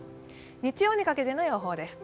日曜にかけての予報です。